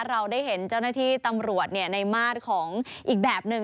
เราได้เห็นเจ้าหน้าที่ตำรวจในมาตรของอีกแบบหนึ่ง